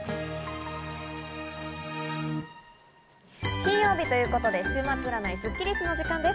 金曜日ということで、週末占いスッキりすの時間です。